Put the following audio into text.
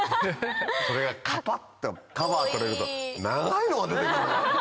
それがカパってカバー取れると長いのが出てくるんだよ。